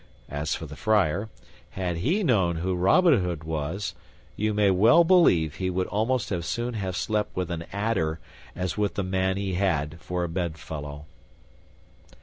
As for the friar, had he known who Robin Hood was, you may well believe he would almost as soon have slept with an adder as with the man he had for a bedfellow.